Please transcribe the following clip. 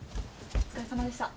お疲れさまでした。